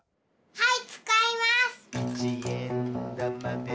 はい。